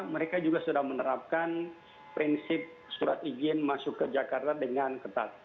mereka juga sudah menerapkan prinsip surat izin masuk ke jakarta dengan ketat